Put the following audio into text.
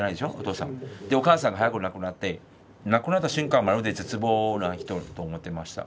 でお母さんが早く亡くなって亡くなった瞬間まるで絶望な人と思ってました。